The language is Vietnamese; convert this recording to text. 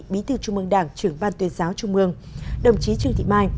bí thư trung mương đảng trưởng ban tuyên giáo trung mương đồng chí trương thị mai